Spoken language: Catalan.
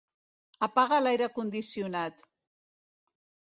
Apaga l'aire condicionat